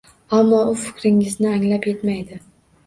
Ammo u fikringizni anglab yetmaydi.